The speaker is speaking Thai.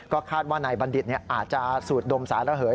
คาดว่านายบัณฑิตอาจจะสูดดมสารระเหย